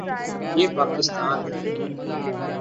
یہ پاکستان ہے۔